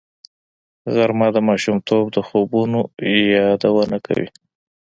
غرمه د ماشومتوب د خوبونو یادونه کوي